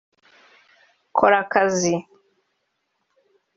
’Kora akazi’